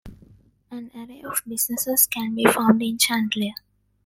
An array of businesses can be found in Chandler.